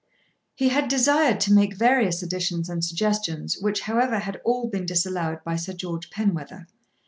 He had desired to make various additions and suggestions which however had all been disallowed by Sir George Penwether.